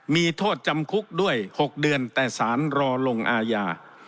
มีโทษจำคุกด้วย๖เดือนแต่สารรอลงอาญา